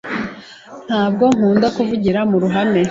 Ntabwo akunda kuvugira mu ruhame.